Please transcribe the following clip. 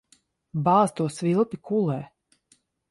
Bāz to svilpi kulē.